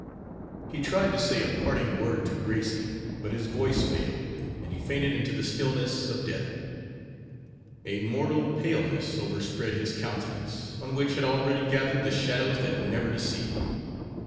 He tried to say a parting word to Gracie, but his voice failed, and he fainted into the stillness of death. A mortal paleness overspread his countenance, on which had already gathered the shadows that never deceive.